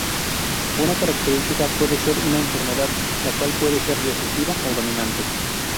Una característica puede ser una enfermedad, la cual puede ser recesiva o dominante.